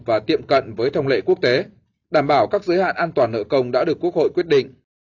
và tiệm cận với thông lệ quốc tế đảm bảo các giới hạn an toàn nợ công đã được quốc hội quyết định